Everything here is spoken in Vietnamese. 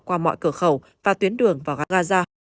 qua mọi cửa khẩu và tuyến đường vào gaza